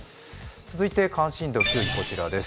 続いて関心度９位、こちらです。